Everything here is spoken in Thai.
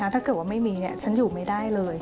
ถ้าเกิดว่าไม่มีฉันอยู่ไม่ได้เลย